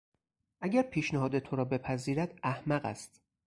اگر پیشنهاد تو را بپذیرد احمق است.